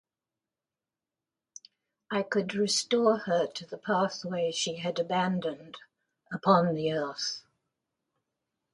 I could restore her to the pathway she had abandoned... upon the earth.